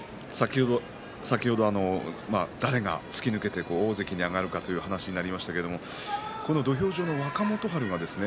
先ほど誰が突き抜けて大関に上がるかという話になりましたけれども土俵上の若元春がですね